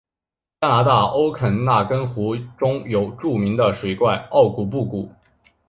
加拿大欧肯纳根湖中有著名的水怪奥古布古。